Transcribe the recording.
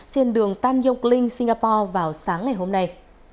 trên đường tan yung kling singapore vào sáng ngày hôm nay